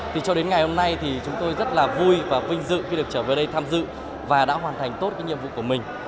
thì cho đến ngày hôm nay thì chúng tôi rất là vui và vinh dự khi được trở về đây tham dự và đã hoàn thành tốt cái nhiệm vụ của mình